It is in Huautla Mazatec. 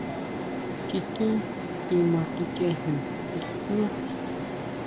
Chikin tima kichejin nguijñá.